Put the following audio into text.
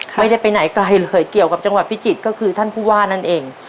ไม่ได้ไปไหนไกลเลยเกี่ยวกับจังหวัดพิจิตรก็คือท่านผู้ว่านั่นเอง